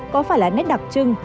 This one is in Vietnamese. có phải là nét đặc trưng